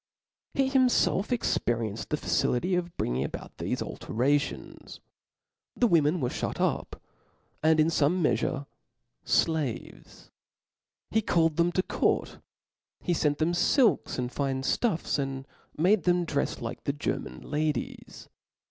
He himfelf experienced the facility of bringing about thefe alterations. The women were ihut up, and in fome meafure flaves ; he called them to court ; he fent them filks and fine ftuffs, and made them drefs like the German ladies.